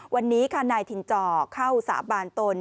วันนี้ค่ะนายถิ่นจอเข้าสาบานตน